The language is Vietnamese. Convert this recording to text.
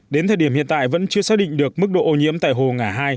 đến thời điểm hiện tại vẫn chưa xác định được mức độ ô nhiễm tại hồ ngã hai